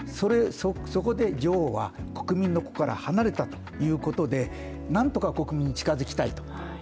そこで女王は、国民の心は離れたということで、なんとか国民に近づきたいと。